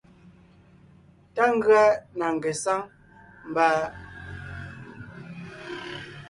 Tá ngʉa na ngesáŋ mba am kqm tem jú.